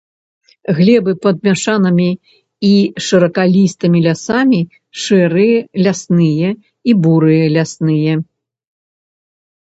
Глебы пад мяшанымі і шыракалістымі лясамі шэрыя лясныя і бурыя лясныя.